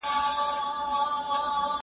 زه به د سبا لپاره د درسونو يادونه کړې وي